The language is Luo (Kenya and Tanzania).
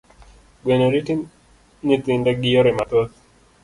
Gweno rito nyithinde gi yore mathoth.